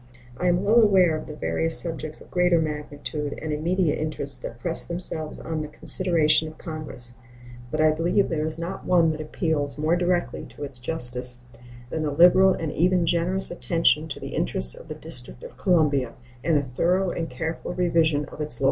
I am well aware of the various subjects of greater magnitude and immediate interest that press themselves on the consideration of Congress, but I believe there is not one that appeals more directly to its justice than a liberal and even generous attention to the interests of the District of Columbia and a thorough and careful revision of its local government.